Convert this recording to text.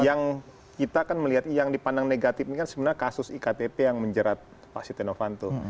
yang kita kan melihat yang dipandang negatif ini kan sebenarnya kasus iktp yang menjerat pak siti novanto